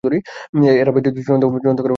এরা বেইজ্জতির চূড়ান্ত করার চেষ্টা করছে।